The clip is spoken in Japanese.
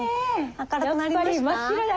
明るくなりました？